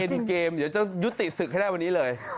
เกมเดี๋ยวจะยุติศึกให้ได้วันนี้เลย